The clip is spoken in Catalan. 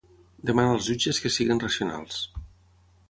Demana als jutges que siguin racionals.